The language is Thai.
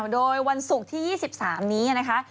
โดยวันศุกร์ที่๒๓นี้นะคะ